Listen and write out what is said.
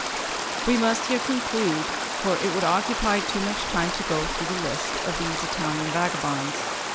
We must here conclude, for it would occupy too much time to go through the list of these Italian vagabonds.